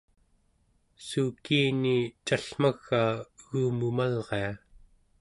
suukiini callmagaa egumumalria